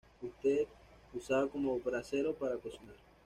Usado como brasero para cocinar.